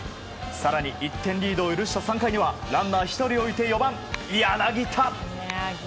更に１点リードを許した３回にはランナー１人置いて４番、柳田。